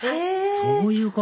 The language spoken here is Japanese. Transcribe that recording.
そういうこと！